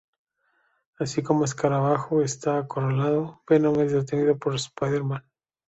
Así como Escarabajo está acorralado, Venom es detenido por Spider-Man.